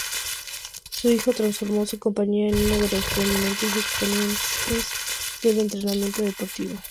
Su hijo transformó su compañía en uno de los prominentes exponentes del entretenimiento deportivo.